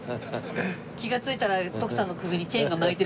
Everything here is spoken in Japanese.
気が付いたら徳さんの首にチェーンが巻いてるかもしれない。